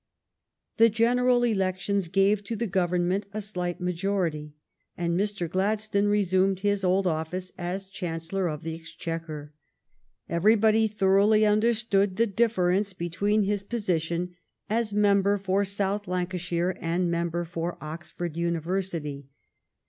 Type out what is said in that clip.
The general elections gave to the Government a slight majority, and Mr. Gladstone resumed his old office as Chancellor of the Exchequer. Every body thoroughly understood the difference between his position as member for South Lancashire and member for Oxford University.